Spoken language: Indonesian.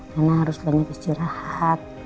reina harus banyak istirahat